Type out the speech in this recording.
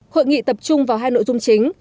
hội nghị tập trung vào hai nội dung chính